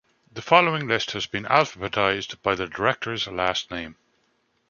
The following list has been alphabetized by the director's last name.